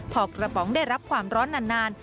พอกระป๋องได้รับความร้อนนาน